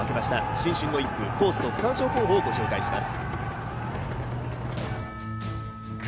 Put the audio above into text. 新春の１区コースと区間賞候補をご紹介します。